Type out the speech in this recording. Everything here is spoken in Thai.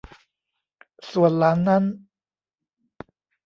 ส่วนหลานนั้น